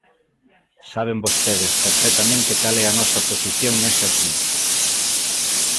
Saben vostedes perfectamente cal é a nosa posición nese asunto.